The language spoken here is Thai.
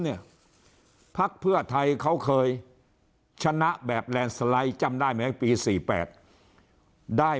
เนี่ยพักเพื่อไทยเขาเคยชนะแบบจำได้ไหมปีสี่แปดได้